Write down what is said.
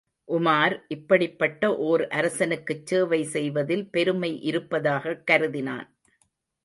உமார், இப்படிப்பட்ட ஓர் அரசனுக்குச் சேவை செய்வதில் பெருமை இருப்பதாகக் கருதினான்.